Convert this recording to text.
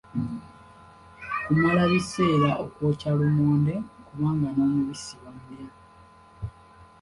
Kumala ebiseera ng'ayokya lumonde kubanga n'omubisi bamulya.